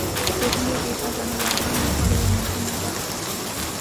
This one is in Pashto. سپوږمۍ د فضانوردانو لپاره یو مهم هدف و